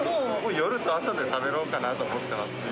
夜と朝で食べようかなと思ってます。